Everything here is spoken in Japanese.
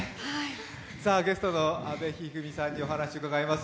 ゲストの阿部一二三さんにお話を伺います。